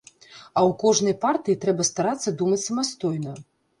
А ў кожнай партыі трэба старацца думаць самастойна.